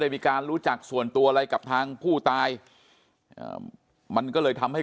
มีการรู้จักส่วนตัวอะไรกับทางผู้ตายมันก็เลยทำให้